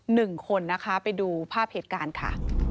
หนึ่งคนนะคะไปดูภาพเหตุการณ์ค่ะ